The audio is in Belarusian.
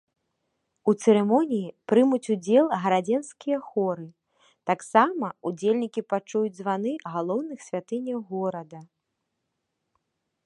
У цырымоніі прымуць удзел гарадзенскія хоры, таксама ўдзельнікі пачуюць званы галоўных святыняў горада.